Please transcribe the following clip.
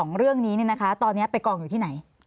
ซึ่งเรื่องนี้สรุปว่าส่องเรื่องนี้ตอนนี้ไปกรองอยู่ที่ไหน